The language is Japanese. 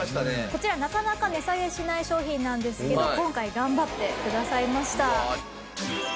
こちらなかなか値下げしない商品なんですけど今回頑張ってくださいました。